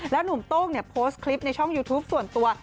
หนุ่มโต้งโพสต์คลิปในช่องยูทูปส่วนตัว